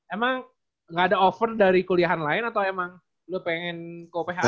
emang gak ada offer dari kuliahan lain atau emang lu pengen ke uph aja